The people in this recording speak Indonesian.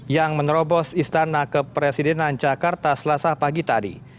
yang menerobos istana kepresidenan jakarta selasa pagi tadi